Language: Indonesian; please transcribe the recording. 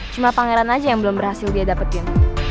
cuma pangeran aja yang belum berhasil dia dapetin